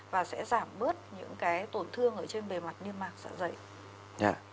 và sẽ giảm bớt những tổn thương trên bề mặt niêm mạc dạ dày